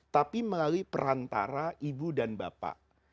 tapi melalui perantara ibu dan bapak